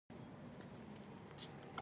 فېسبوک د ځوانانو د وړتیاوو ښودلو ځای دی